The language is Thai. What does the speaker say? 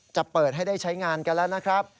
จะเปิดให้ได้ใช้งานกันแล้วนะครับ